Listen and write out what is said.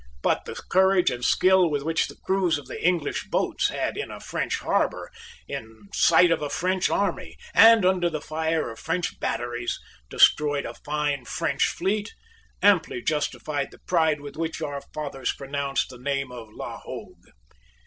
But the courage and skill with which the crews of the English boats had, in a French harbour, in sight of a French army, and under the fire of French batteries, destroyed a fine French fleet, amply justified the pride with which our fathers pronounced the name of La Hogue.